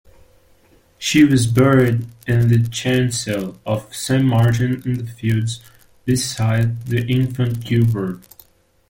She was buried in the chancel of Saint Martin-in-the-Fields beside the infant Gilbert.